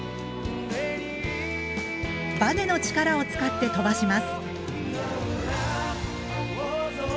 バネの力を使って飛ばします。